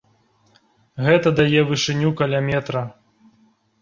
Гэта дае вышыню каля метра.